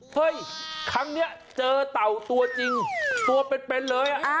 เฮ้ยครั้งนี้เจอเต่าตัวจริงตัวเป็นเลย